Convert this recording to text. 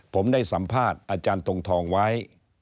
ผมได้สัมภาษณ์อาจารย์ทรงทองไว้